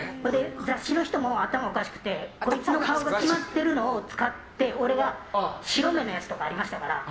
雑誌の人も頭おかしくてこいつの顔が決まってるのを使って俺は白目のやつとかありましたから。